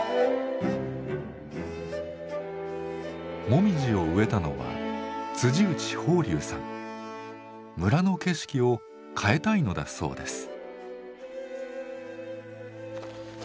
もみじを植えたのは村の景色を変えたいのだそうです。